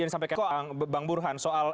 yang disampaikan bang burhan soal